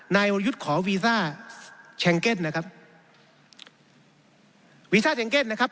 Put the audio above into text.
นายวรยุทธ์ขอวีซ่าแชงเก็นนะครับวีซ่าแเช็งเก็นนะครับ